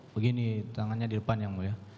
begini tangannya di depan yang mulia